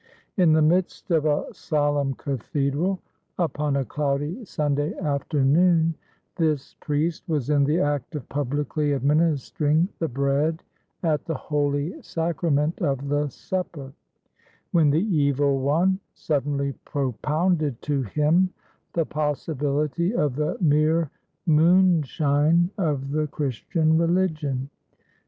In the midst of a solemn cathedral, upon a cloudy Sunday afternoon, this priest was in the act of publicly administering the bread at the Holy Sacrament of the Supper, when the Evil One suddenly propounded to him the possibility of the mere moonshine of the Christian Religion.